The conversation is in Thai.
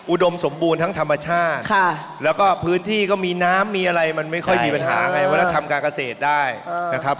อุดมสมบูรณ์ทั้งธรรมชาติแล้วก็พื้นที่ก็มีน้ำมีอะไรมันไม่ค่อยมีปัญหาไงเวลาทำการเกษตรได้นะครับ